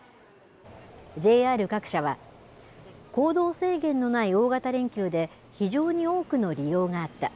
ＪＲ各社は、行動制限のない大型連休で、非常に多くの利用があった。